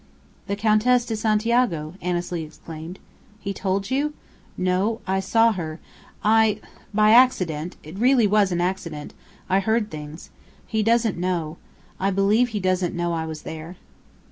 "The Countess de Santiago!" Annesley exclaimed. "He told you?" "No, I saw her. I by accident (it really was by accident!) I heard things. He doesn't know I believe he doesn't know I was there."